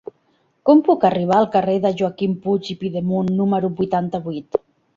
Com puc arribar al carrer de Joaquim Puig i Pidemunt número vuitanta-vuit?